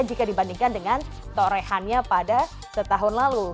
jika dibandingkan dengan torehan nya pada setahun lalu